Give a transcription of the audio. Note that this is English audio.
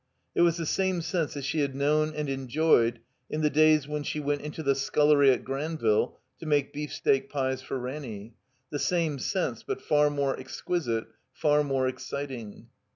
It was the same sense that she had known and enjoyed in the days when she went into the scullery at Granville to make beefsteak pies for Ranny; the same sense, but far more exquisite, far more exciting.